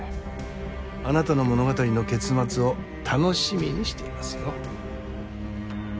あなたの物語の結末を楽しみにしていますよ。